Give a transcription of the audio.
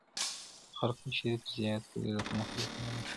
د خرقه شریفې زیارت ولې د کندهار لپاره مهم دی؟